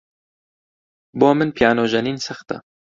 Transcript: بۆ من پیانۆ ژەنین سەختە.